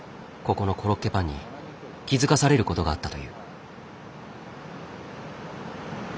ここのコロッケパンに気付かされることがあったという。